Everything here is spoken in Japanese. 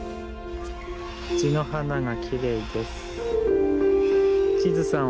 藤の花がきれいです。